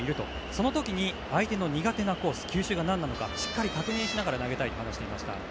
その時に相手の苦手なコース球種がなんなのかしっかり確認しながら投げたいと話していました。